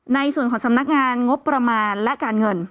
ในส่วนของสำนักงานงบประมาณและการเงิน